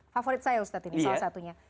favorit saya ustadz ini salah satunya